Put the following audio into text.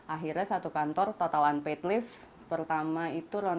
akhirnya satu kantor totalan paid leave pertama itu ronde satu empat lima bulan